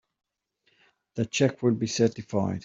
The check will be certified.